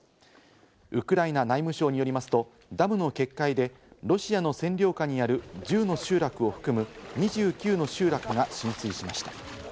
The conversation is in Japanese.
ウクライナ内務省によりますと、ダムの決壊でロシアの占領下にある１０の集落を含む２９の集落が浸水しました。